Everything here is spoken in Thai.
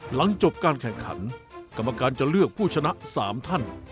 หลังจบการแข่งขันกรรมการจะเลือกผู้ชนะ๓ท่าน